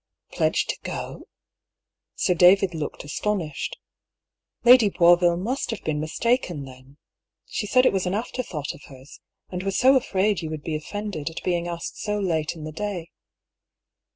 "Pledged to go? Sir David looked astonished. " Lady Boisville must have been mistaken, then. She said it was an afterthought of hers, and was so afraid you would be offended at being asked so late in the day."